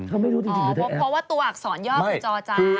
เพราะว่าตัวอักษรเยอะคือจอจาน